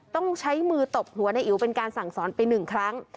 ต้องใช้มือตบหัวในอิ๋วเป็นการสั่งสอนไปหนึ่งครั้ง